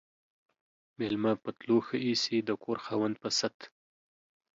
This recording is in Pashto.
ميلمه په تلو ښه ايسي ، د کور خاوند په ست.